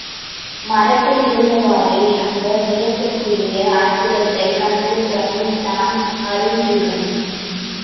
மரத்தில் இருந்தவாறே அந்த வியப்புக்குரிய அற்புதத்தைக் கண்டு பிரமித்தான் அருஞ்சுகன்.